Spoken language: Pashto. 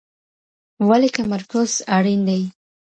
ولي تمرکز اړین دی؟